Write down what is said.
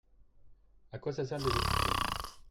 A quoi ça sert de les écouter ?